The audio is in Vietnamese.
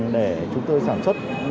để chúng tôi sản xuất